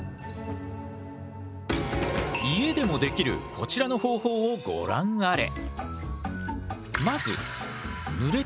家でもできるこちらの方法をご覧あれ。